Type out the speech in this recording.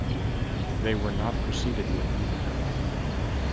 They were not proceeded with, either.